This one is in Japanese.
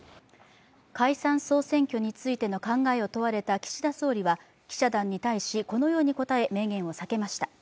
解散総選挙についての考えを問われた岸田総理は記者団に対し、このように述べ明言を避けました。